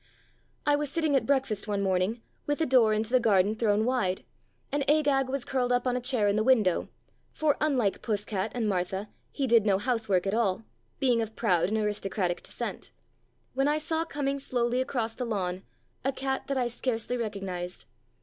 I was sitting at breakfast one morning, with the door into the garden thrown wide, and Agag was curled up on a chair in the window (for, unlike Puss cat and Martha, he did no housework at all, being of proud and aristocratic descent), when I saw coming slowly across the lawn a cat that I scarcely recog nized.